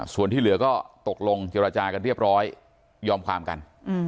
ส่วนที่เหลือก็ตกลงเจรจากันเรียบร้อยยอมความกัน